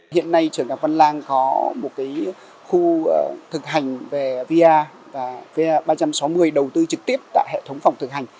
hiện nay trường đạc văn lan có một khu thực hành về vr và vr ba trăm sáu mươi đầu tư trực tiếp tại hệ thống phòng thực hành